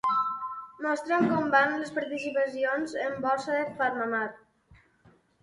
Mostra'm com van les participacions en borsa de PharmaMar.